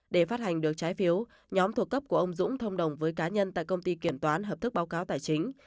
để phát hành được trái phiếu nhóm thuộc cấp của ông dũng thông đồng với cá nhân tại công ty kiểm toán hợp thức báo cáo tài chính